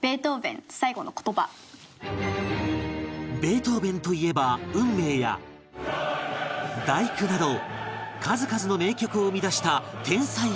ベートーヴェンといえば『運命』や『第９』など数々の名曲を生み出した天才作曲家